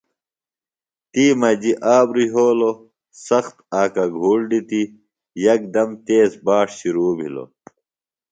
تی مجیۡ آبرُوۡ یھولوۡ سخت آکہ گُھوڑ دِتیۡ یکدم تیز باݜ شرو بِھلوۡ۔